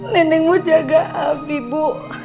nenek mau jaga abi bu